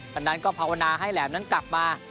ดังนั้นก็ภาวนาให้แหลมนั้นกลับมา